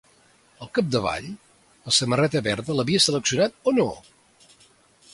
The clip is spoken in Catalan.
Al capdavall, la samarreta verda l'havia seleccionat o no?